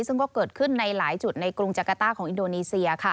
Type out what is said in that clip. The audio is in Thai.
ซึ่งก็เกิดขึ้นในหลายจุดในกรุงจักรต้าของอินโดนีเซีย